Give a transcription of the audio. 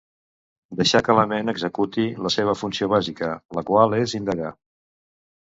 Deixar que la ment executi la seva funció bàsica, la qual és indagar.